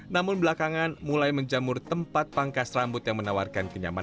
namun belakangan mulai menjamur tempat pangkas rambut yang menawarkan kenyamanan